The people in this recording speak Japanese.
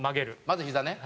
まずひざね。